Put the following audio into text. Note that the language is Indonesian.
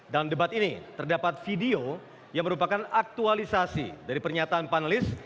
dalam debat ini terdapat video yang merupakan aktualisasi dari pernyataan panelis